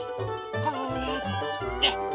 こうやって。